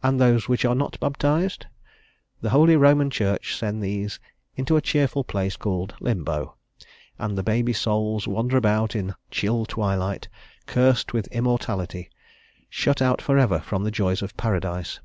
And those which are not baptized? The Holy Roman Church sends these into a cheerful place called Limbo, and the baby souls wander about in chill twilight, cursed with immortality, shut out for ever from the joys of Paradise.